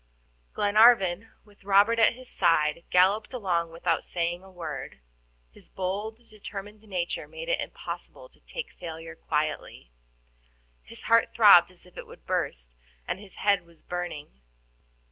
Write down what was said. Glenarvan, with Robert at his side, galloped along without saying a word. His bold, determined nature made it impossible to take failure quietly. His heart throbbed as if it would burst, and his head was burning.